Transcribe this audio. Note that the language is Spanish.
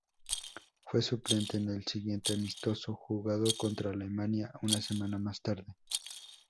Fue suplente en el siguiente amistoso, jugado contra Alemania una semana más tarde.